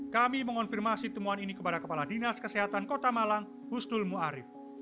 kami mengonfirmasi temuan ini kepada kepala dinas kesehatan kota malang husnul mu'arif